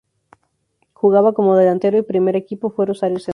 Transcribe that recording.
Jugaba como delantero y primer equipo fue Rosario Central.